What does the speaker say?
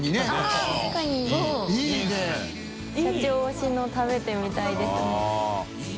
五百城）社長推しの食べてみたいですね。